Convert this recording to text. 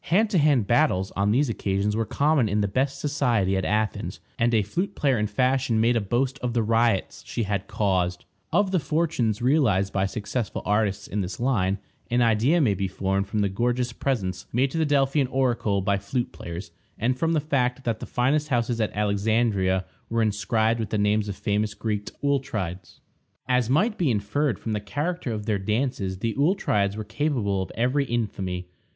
Hand to hand battles on these occasions were common in the best society at Athens, and a flute player in fashion made a boast of the riots she had caused. Of the fortunes realized by successful artists in this line, an idea may be formed from the gorgeous presents made to the Delphian oracle by flute players, and from the fact that the finest houses at Alexandria were inscribed with the names of famous Greek auletrides. As might be inferred from the character of their dances, the auletrides were capable of every infamy.